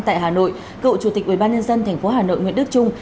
tại hà nội cựu chủ tịch ubnd tp hà nội nguyễn đức trung